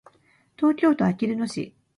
東京都あきる野市